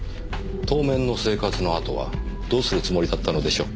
当面の生活のあとはどうするつもりだったのでしょう？